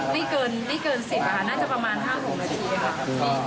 ไม่เกินสิบนะครับน่าจะประมาณ๕๖นาที